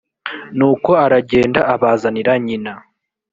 nuko aragenda abazanira nyina